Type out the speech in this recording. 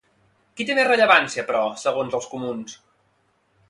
Qui té més rellevància, però, segons els Comuns?